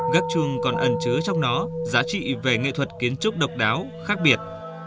gác chuông còn ẩn chứa trong nó giá trị về nghệ thuật kiến trúc độc đáo khác biệt